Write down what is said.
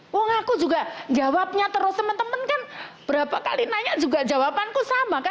wah aku juga jawabnya terus temen temen kan berapa kali nanya juga jawabanku sama kan